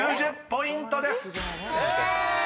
９０ポイントです］